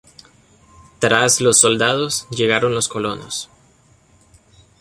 Tras los soldados, llegaron los colonos.